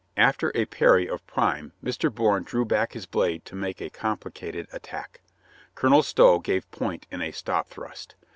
After a parry of prime Mr. Bourne drew back his blade to make a complicated attack. Colonel Stow gave point in a stop thrust.